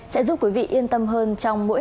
sẽ giúp quý vị yên tâm hơn trong mỗi